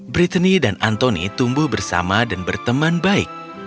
brittany dan anthony tumbuh bersama dan berteman baik